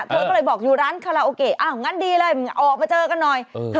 เธอก็เลยบอกอยู่ร้านคาราโอเกะอ้าวงั้นดีเลยออกมาเจอกันหน่อย